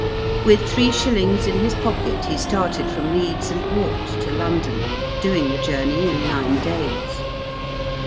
With three shillings in his pocket he started from Leeds, and walked to London, doing the journey in nine days.